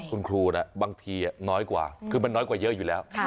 คุณครูบางทีน้อยกว่าคือมันน้อยกว่าเยอะอยู่แล้ว